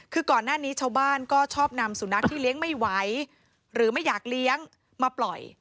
คือก่อนหน้านี้ชาวบ้านก็ชอบนำสุนัขที่เลี้ยงไม่ไหวหรือไม่อยากเลี้ยงมาปล่อย